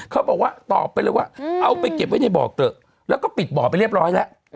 เขาบอกว่าตอบไปเลยว่าเอาไปเก็บไว้ในบ่อเถอะแล้วก็ปิดบ่อไปเรียบร้อยแล้ว